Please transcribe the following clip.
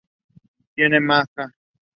Tiene maja.